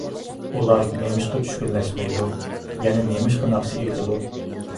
ئۇلار نېمىشقا چۈشكۈنلەشمەيدۇ؟ يەنە نېمىشقا ناخشا ئېيتىدۇ؟